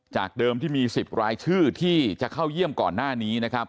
เดิมที่มี๑๐รายชื่อที่จะเข้าเยี่ยมก่อนหน้านี้นะครับ